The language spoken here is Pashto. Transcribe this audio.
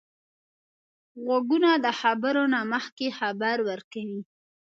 غوږونه د خبرو نه مخکې خبر ورکوي